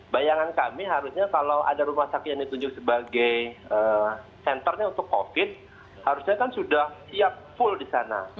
bayangan kami harusnya kalau ada rumah sakit yang ditunjuk sebagai centernya untuk covid harusnya kan sudah siap full di sana